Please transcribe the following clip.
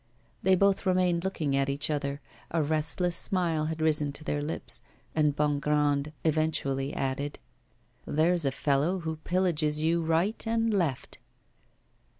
They both remained looking at each other: a restless smile had risen to their lips, and Bongrand eventually added: 'There's a fellow who pillages you right and left.